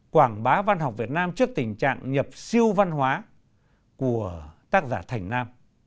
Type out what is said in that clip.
quảng bá văn học việt nam trước tình trạng nhập siêu văn hóa của tác giả thành nam